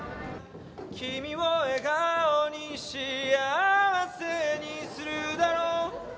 「君を笑顔に幸せにするだろう」